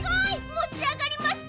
もちあがりました！